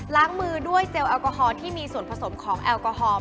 ล้างมือด้วยเจลแอลกอฮอลที่มีส่วนผสมของแอลกอฮอล